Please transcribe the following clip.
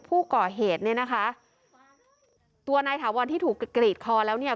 ผู้ก่อเหตุเนี่ยนะคะตัวนายถาวรที่ถูกกรีดคอแล้วเนี่ย